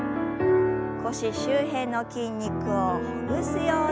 腰周辺の筋肉をほぐすように。